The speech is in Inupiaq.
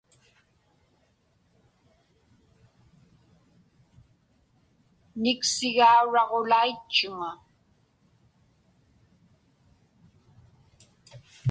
Niksigauraġulaitchuŋa.